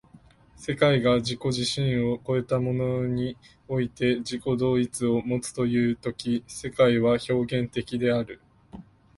世界が自己自身を越えたものにおいて自己同一をもつという時世界は表現的である。